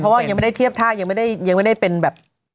เพราะว่ายังไม่ได้เทียบท่ายังไม่ได้ยังไม่ได้เป็นแบบ